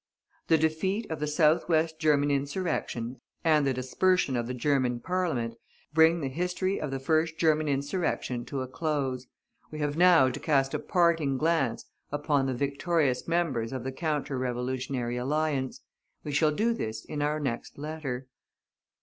The defeat of the south west German insurrection, and the dispersion of the German Parliament, bring the history of the first German insurrection to a close. We have now to cast a parting glance upon the victorious members of the counter revolutionary alliance; we shall do this in our next letter.